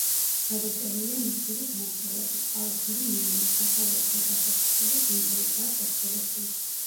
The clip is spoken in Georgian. გადაწერილია ნუსხური დამწერლობით, ყავისფერი მელნით; სათაურები და დასაწყისები სინგურითაა შესრულებული.